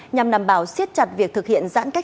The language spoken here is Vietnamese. nhằm đảm bảo siết chặt việc thực hiện công văn